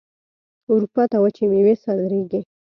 اروپا ته وچې میوې صادریږي.